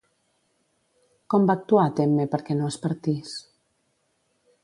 Com va actuar Temme perquè no es partís?